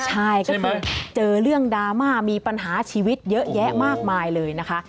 ใช่ก็คือเจอเรื่องดราม่ามีปัญหาชีวิตเยอะแยะมากมายเลยนะคะ